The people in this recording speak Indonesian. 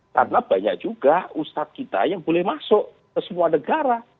karena banyak juga ustadz kita yang boleh masuk ke semua negara